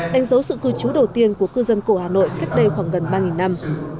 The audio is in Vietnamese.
đánh dấu sự cư trú đầu tiên của cư dân cổ hà nội cách đây khoảng gần ba năm